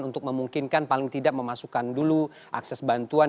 untuk memungkinkan paling tidak memasukkan dulu akses bantuan